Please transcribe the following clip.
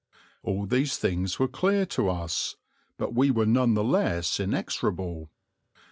All these things were clear to us, but we were none the less inexorable.